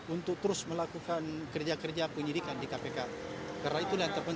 untuk terus melakukan kerja kerja penyidikan di kpk karena itu yang terpenting